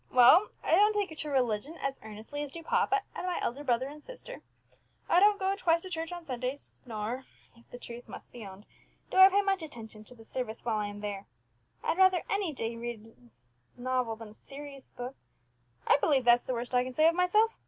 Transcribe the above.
Well, I don't take to religion as earnestly as do papa and my elder brother and sister. I don't go twice to church on Sundays, nor if the truth must be owned do I pay much attention to the service whilst I am there. I'd rather any day read a novel than a serious book. I believe that's the worst I can say of myself.